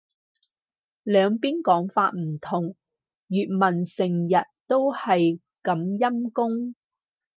兩邊講法唔同。粵文成日都係咁陰功